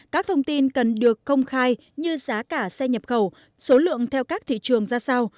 các thông tin cần được công khai như giá cả xe nhập khẩu số lượng theo các thị trường ra sao